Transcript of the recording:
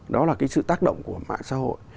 đó là cái sự tác động của mạng xã hội